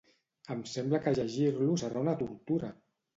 Em sembla que llegir-lo serà una tortura!